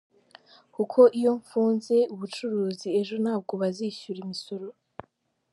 Kuko iyo mfunze ubucuruzi, ejo ntabwo bazishyura imisoro.